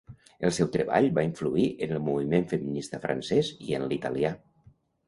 El seu treball va influir en el moviment feminista francès i en l’italià.